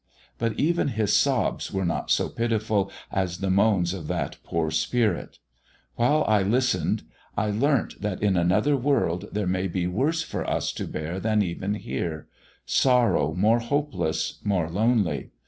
But even his sobs were not so pitiful as the moans of that poor spirit. While I listened I learnt that in another world there may be worse for us to bear than even here sorrow more hopeless, more lonely.